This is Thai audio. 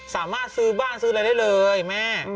สามารถซื้อบ้านซื้ออะไรได้เลยแม่